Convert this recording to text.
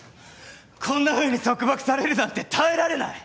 こんなふうに束縛されるなんて耐えられない！